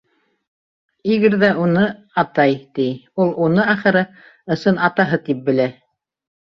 Игорь ҙә уны «атай» ти, ул уны, ахыры, ысын атаһы тип белә.